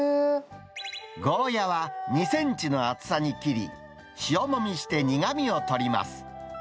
ゴーヤは２センチの厚さに切り、塩もみして苦みを取ります。